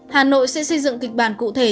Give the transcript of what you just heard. hà nội sẽ xây dựng kịch bản cụ thể